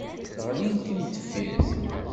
Ɣlin d timendeffirt.